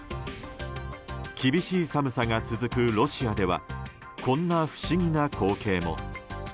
厳しい寒さが続くロシアではこんな不思議な光景も。